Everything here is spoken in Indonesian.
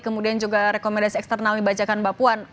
kemudian juga rekomendasi eksternal di bajakan bapuan